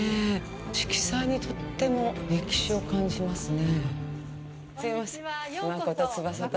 色彩に、とっても歴史を感じますね。